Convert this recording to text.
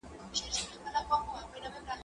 زه کالي مينځلي دي؟